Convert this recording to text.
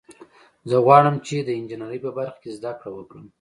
زه غواړم چې د انجینرۍ په برخه کې زده کړه وکړم